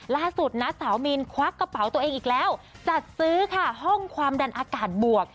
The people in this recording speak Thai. ล่าสุดนะสาวมีนควักกระเป๋าตัวเองอีกแล้วจัดซื้อค่ะห้องความดันอากาศบวก